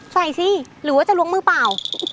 สิหรือว่าจะล้วงมือเปล่า